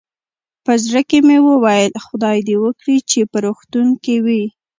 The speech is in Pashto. په زړه کې مې ویل، خدای دې وکړي چې په روغتون کې وي.